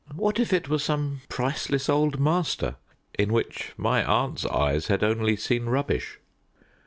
What if it were some priceless old master in which my aunt's eyes had only seen rubbish?